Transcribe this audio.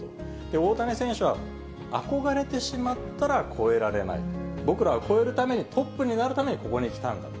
大谷選手は、憧れてしまったら超えられない、僕らは超えるために、トップになるために、ここに来たんだと。